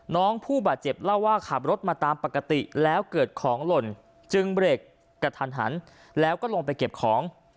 ผู้บาดเจ็บเล่าว่าขับรถมาตามปกติแล้วเกิดของหล่นจึงเบรกกระทันหันแล้วก็ลงไปเก็บของ